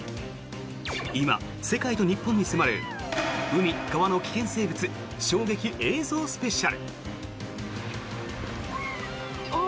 今、世界と日本に迫る海・川の危険生物衝撃映像スペシャル！